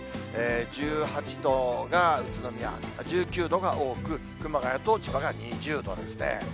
１８度が宇都宮、１９度が多く、熊谷と千葉が２０度ですね。